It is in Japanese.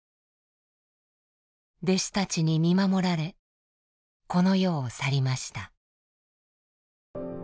弟子たちに見守られこの世を去りました。